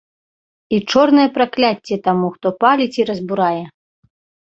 І чорнае пракляцце таму, хто паліць і разбурае!